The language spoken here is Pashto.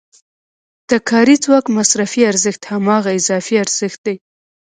د کاري ځواک مصرفي ارزښت هماغه اضافي ارزښت دی